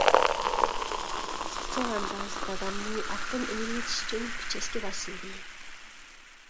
ئىككى چەۋەنداز دادامنى ئاتتىن ئۆرۈۋېتىش ئۈچۈن كۈچەشكە باشلىدى.